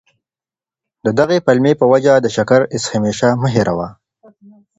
د دغي پلمې په وجه د شکر ایسهمېشه مه هېروه.